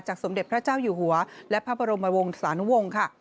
สมเด็จพระเจ้าอยู่หัวและพระบรมวงศานุวงศ์ค่ะ